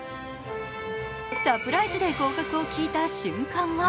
サプライズで合格を聞いた瞬間は